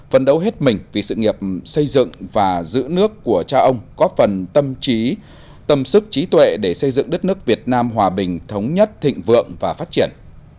phấn đấu hết mình vì sự nghiệp xây dựng và giữ nước của cha ông có phần tâm sức trí tuệ để xây dựng đất nước việt nam hòa bình thống nhất thịnh vượng và phát triển